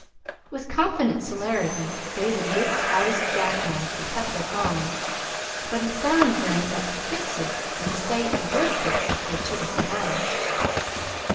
With confident celerity David whipped out his jackknife to cut the thong; but he found then that to "fix it" and to say he would "fix it" were two different matters.